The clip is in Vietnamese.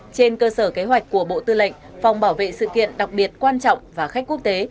trên cơ sở kế hoạch của bộ tư lệnh phòng bảo vệ sự kiện đặc biệt quan trọng và khách quốc tế